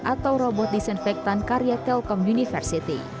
atau robot disinfektan karya telkom university